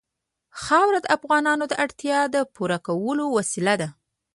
خاوره د افغانانو د اړتیاوو د پوره کولو وسیله ده.